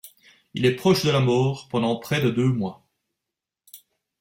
Il est proche de la mort pendant près de deux mois.